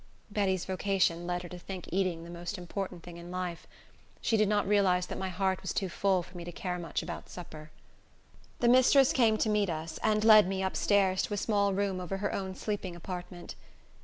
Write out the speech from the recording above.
Betty's vocation led her to think eating the most important thing in life. She did not realize that my heart was too full for me to care much about supper. The mistress came to meet us, and led me up stairs to a small room over her own sleeping apartment.